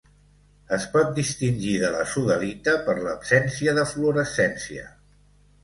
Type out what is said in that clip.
Es pot distingir de la sodalita per l'absència de fluorescència.